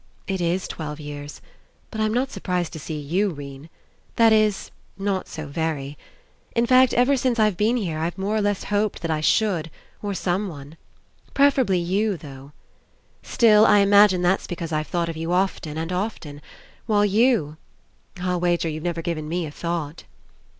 It Is twelve years. But I'm not surprised to see you, 'Rene. That Is, not so very. In fact, ever since I've been here, I've more or less hoped that I should, or someone. Preferably you, though. 27 PASSING Still, I Imagine that's because I've thought of you often and often, while you — I'll wager you've never given me a thought."